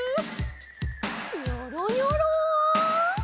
ニョロニョロ。